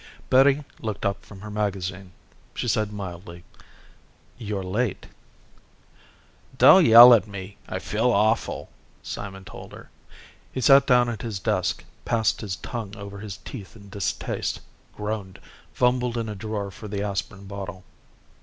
_ Betty looked up from her magazine. She said mildly, "You're late." "Don't yell at me, I feel awful," Simon told her. He sat down at his desk, passed his tongue over his teeth in distaste, groaned, fumbled in a drawer for the aspirin bottle.